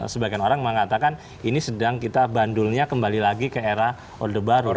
sebagian orang mengatakan ini sedang kita bandulnya kembali lagi ke era orde baru